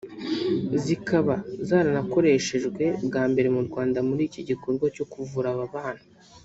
zikaba zaranakoreshejwe bwambere mu Rwanda muri iki gikorwa cyo kuvura aba bana